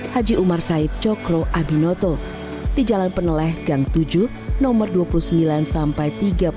haji umar said cokro abinoto di jalan peneleh gang tujuh nomor dua puluh sembilan sampai tiga puluh